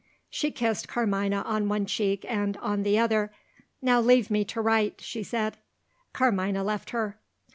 She kissed Carmina on one cheek and on the other. "Now leave me to write," she said. Carmina left her.